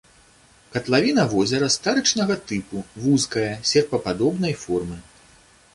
Катлавіна возера старычнага тыпу, вузкая, серпападобнай формы.